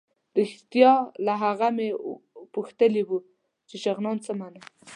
رښتیا له هغه مې پوښتلي وو چې شغنان څه مانا.